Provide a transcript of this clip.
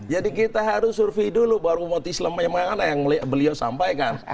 jadi kita harus survei dulu baru umat islam memang ada yang beliau sampaikan